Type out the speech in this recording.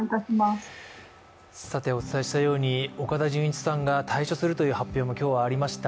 岡田准一さんが退所するという発表も今日はありました。